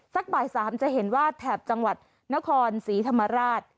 บ่าย๓จะเห็นว่าแถบจังหวัดนครศรีธรรมราช